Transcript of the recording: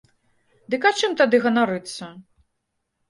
Дык а чым тады ганарыцца?